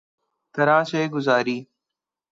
طرح سے گزاری